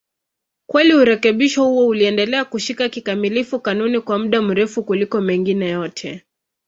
Kweli urekebisho huo uliendelea kushika kikamilifu kanuni kwa muda mrefu kuliko mengine yote.